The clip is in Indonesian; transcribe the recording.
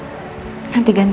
bisa dikumpulkan sama pak surya